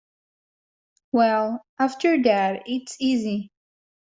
Well, after that it's easy.